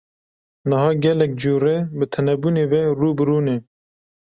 Niha gelek cure bi tunebûnê ve rû bi rû ne.